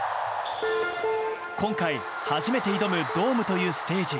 今回、初めて挑むドームというステージ。